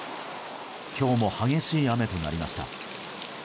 今日も激しい雨となりました。